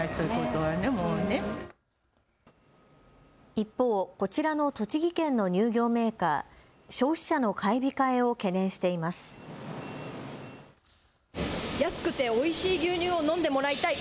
一方、こちらの栃木県の乳業メーカー、消費者の買い控えを懸念しています。安くておいしい牛乳を飲んでもらいたい。